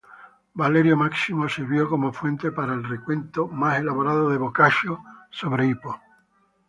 Valerio Máximo sirvió como fuente para el recuento más elaborado de Boccaccio sobre Hipo.